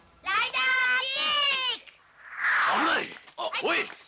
おい！